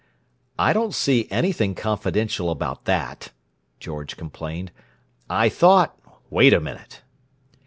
"I don't see anything confidential about that," George complained. "I thought—" "Wait a minute!